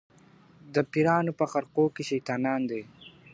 د پیرانو په خرقوکي شیطانان دي .